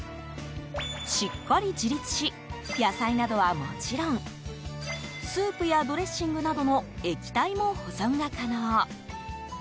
しっかり自立し野菜などはもちろんスープやドレッシングなどの液体も保存が可能。